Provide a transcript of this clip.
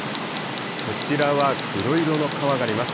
こちらは黒色の川があります。